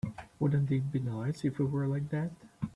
Wouldn't it be nice if we were like that?